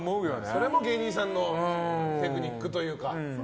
それも芸人さんのテクニックというか。